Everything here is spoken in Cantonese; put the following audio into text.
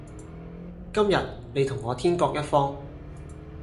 今日你同我天各一方